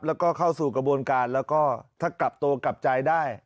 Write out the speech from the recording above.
แล้วก็เข้าสู่กระบวนการแล้วก็ถ้ากลับตัวกลับใจได้